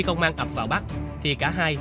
công an ập vào bắt thì cả hai